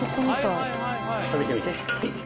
食べてみて。